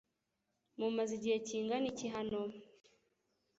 Mumaze igihe kingana iki hano?